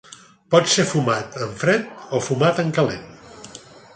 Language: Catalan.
Pot ser fumat en fred o fumat en calent.